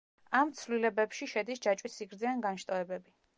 ამ ცვლილებებში შედის ჯაჭვის სიგრძე ან განშტოებები.